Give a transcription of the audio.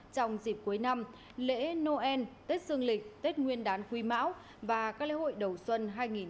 trong dịp cuối năm lễ noel tết sương lịch tết nguyên đán quy mão và các lễ hội đầu xuân hai nghìn hai mươi ba